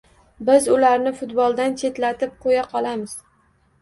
Biz ularni futboldan chetlatib qoʻya qolamiz